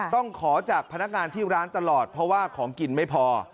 ต้องขอจากพนักงานที่ร้านตลอดเพราะว่าของกินไม่พอ